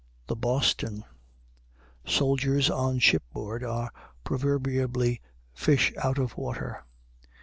THE "BOSTON" Soldiers on shipboard are proverbially fish out of water.